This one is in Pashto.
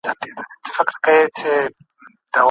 ایا شاګرد باید د موضوع اړوند مثالونه راوړي؟